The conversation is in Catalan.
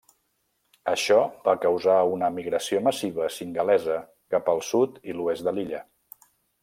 Això va causar una migració massiva singalesa cap al sud i l'oest de l'illa.